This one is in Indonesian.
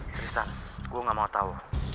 tristan gue gak mau tau